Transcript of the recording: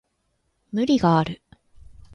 無理がある